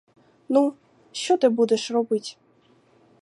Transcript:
Ну, що ти будеш робить!